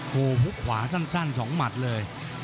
หูฮุกขวาสั้น๒หมัดเลย